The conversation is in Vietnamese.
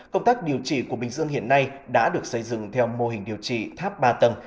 công tác điều trị của bình dương hiện nay đã được xây dựng theo mô hình điều trị tháp ba tầng